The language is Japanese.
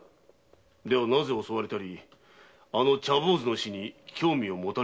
ではなぜ襲われたりあの茶坊主の死に興味を持たれる？